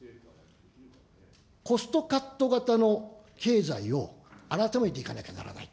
コストカット型の経済を改めていかなきゃならない。